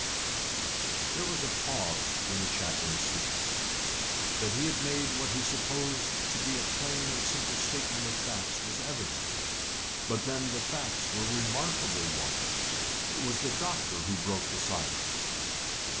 There was a pause when the chaplain ceased. That he had made what he supposed to be a plain and simple statement of facts was evident. But then the facts were remarkable ones. It was the doctor who broke the silence.